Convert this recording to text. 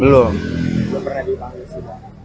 belum pernah di sidang